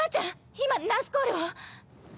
今ナースコールを。